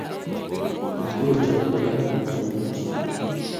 Kichuul chepkurak Mutyo mutyo